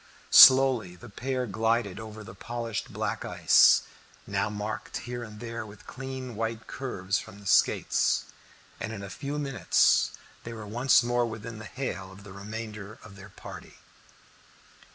Slowly the pair glided over the polished black ice, now marked here and there with clean white curves from the skates, and in a few minutes they were once more within hail of the remainder of their party.